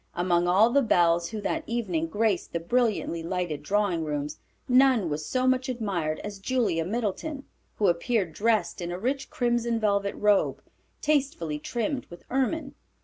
Among all the belles who that evening graced the brilliantly lighted drawing rooms, none was so much admired as Julia Middleton, who appeared dressed in a rich crimson velvet robe, tastefully trimmed with ermine.